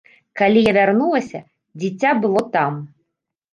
Калі я вярнулася, дзіця было там.